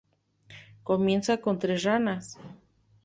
Comienza con tres ranas.